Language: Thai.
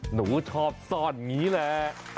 หนูชอบซ่อนอย่างนี้แหละ